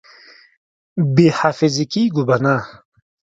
بې حافظې کېږو به نه!